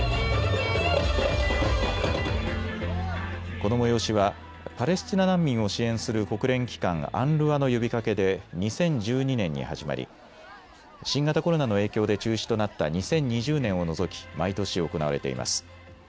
この催しはパレスチナ難民を支援する国連機関ＵＮＲＷＡの呼びかけで２０１２年に始まり新型コロナの影響で中止となった２０２０年を除き毎年、行われています。